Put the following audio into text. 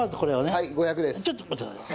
はい５００です。